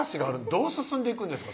どう進んでいくんですか？